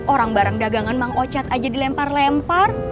orang barang dagangan mang ocat aja dilempar lempar